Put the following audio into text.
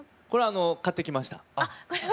これは買ってきました。